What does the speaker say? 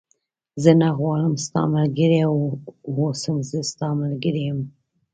زه نه غواړم ستا ملګری و اوسم، زه ستا ملګری یم.